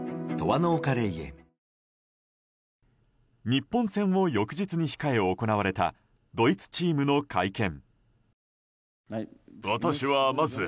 日本戦を翌日に控え行われたドイツチームの会見。